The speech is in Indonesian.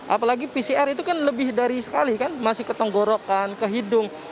apalagi pcr itu kan lebih dari sekali kan masih ketonggorokan kehidung